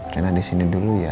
karena di sini dulu ya